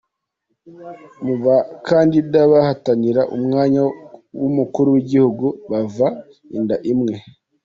Mu bakandida bahatanira umwanya w’umukuru w’Igihugu bava inda imwe.